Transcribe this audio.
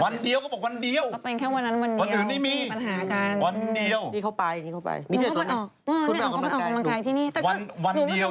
มันคนละเวลาไงพี่เมียว